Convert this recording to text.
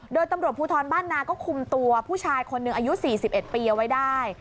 โดยตำรวจภูทรบ้านนาก็คุมตัวผู้ชายคนหนึ่งอายุ๔๑ปีเอาไว้ได้